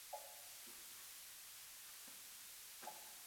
Northern names commonly end in "i" whereas Southern names commonly end in "o".